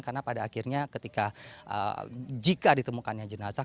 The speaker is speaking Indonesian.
karena pada akhirnya ketika jika ditemukannya jenazah